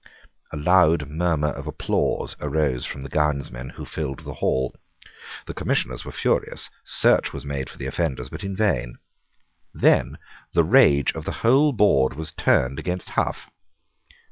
A loud murmur of applause arose from the gownsmen who filled the hall. The Commissioners were furious. Search was made for the offenders, but in vain. Then the rage of the whole board was turned against Hough.